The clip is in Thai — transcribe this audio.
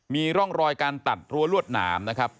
มีร่องรอยการตัดรั้วลวดหนามนะครับ